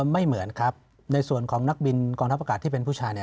ไม่เหมือนครับในส่วนของนักบินกองทัพอากาศที่เป็นผู้ชาย